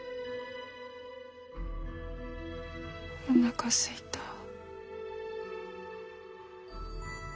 おなかすいた。